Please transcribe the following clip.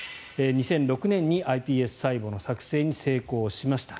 ２００６年にｉＰＳ細胞の作製に成功しました。